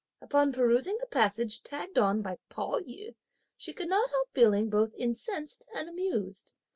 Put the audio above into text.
Upon perusing the passage tagged on by Pao yü, she could not help feeling both incensed and amused.